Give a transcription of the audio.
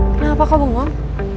kenapa kau bengong